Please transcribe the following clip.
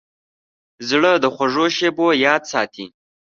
زړه د خوږو شیبو یاد ساتي.